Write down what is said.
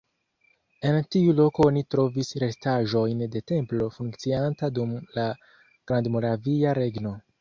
En tiu loko oni trovis restaĵojn de templo funkcianta dum la Grandmoravia Regno.